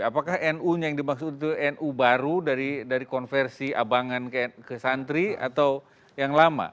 apakah nu nya yang dimaksud itu nu baru dari konversi abangan ke santri atau yang lama